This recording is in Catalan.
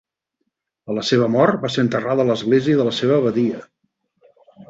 A la seva mort va ser enterrat a l'església de la seva abadia.